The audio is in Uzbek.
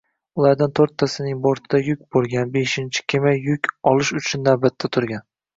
Ulardan to‘rttasining bortida yuk bo‘lgan, beshinchi kema yuk olish uchun navbatda turgan